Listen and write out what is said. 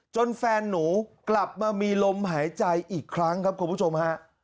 แฟนหนูกลับมามีลมหายใจอีกครั้งครับคุณผู้ชมฮะ